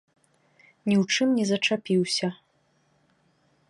Ні ў чым не зачапіўся.